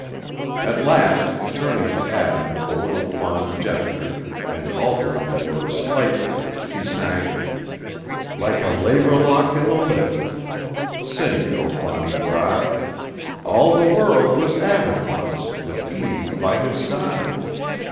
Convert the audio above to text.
At last, turning to Adam with a little fond gesture, and altering the words slightly, she sang: "Like a laverlock in the lift, sing, O bonny bride! All the world was Adam once, with Eve by his side.